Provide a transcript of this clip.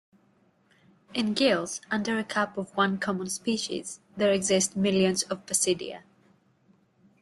In gills under a cap of one common species, there exist millions of basidia.